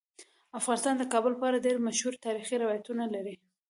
افغانستان د کابل په اړه ډیر مشهور تاریخی روایتونه لري.